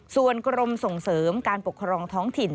ส่วนกรมส่งเสริมการปกครองท้องถิ่น